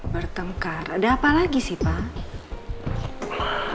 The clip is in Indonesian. bertengkar ada apa lagi sih pak